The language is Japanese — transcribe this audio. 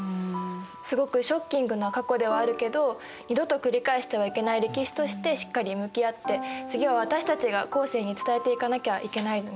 すごくショッキングな過去ではあるけど二度と繰り返してはいけない歴史としてしっかり向き合って次は私たちが後世に伝えていかなきゃいけないよね。